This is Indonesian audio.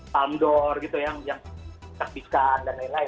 palme d'or gitu yang terpisahkan dan lain lain